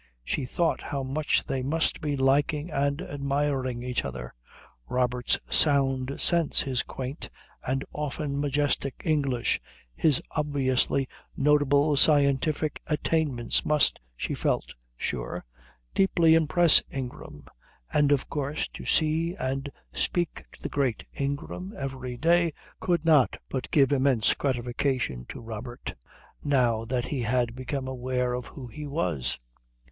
She thought how much they must be liking and admiring each other. Robert's sound sense, his quaint and often majestic English, his obviously notable scientific attainments must, she felt sure, deeply impress Ingram. And of course to see and speak to the great Ingram every day could not but give immense gratification to Robert, now that he had become aware of who he was.